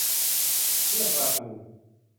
เมี่ยงปลาทู